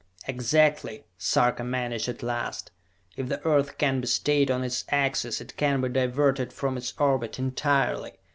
"Exactly!" Sarka managed at last. "If the Earth can be stayed on its axis, it can be diverted from its orbit entirely!